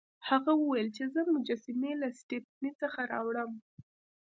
هغه وویل چې زه مجسمې له سټپني څخه راوړم.